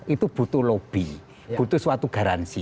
itu butuh lobby butuh suatu garansi